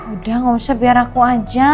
udah gak usah biar aku aja